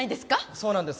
そうなんです。